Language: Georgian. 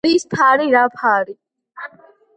რის ფარი, რა ფარი